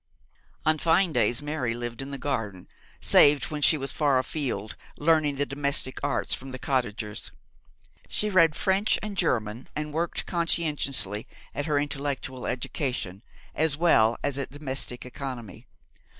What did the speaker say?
On fine days Mary lived in the garden, save when she was far afield learning the domestic arts from the cottagers. She read French and German, and worked conscientiously at her intellectual education, as well as at domestic economy.